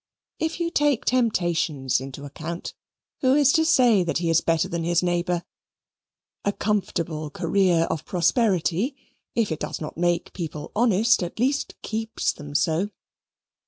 If you take temptations into account, who is to say that he is better than his neighbour? A comfortable career of prosperity, if it does not make people honest, at least keeps them so.